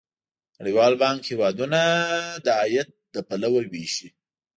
نړیوال بانک هیوادونه د عاید له پلوه ویشي.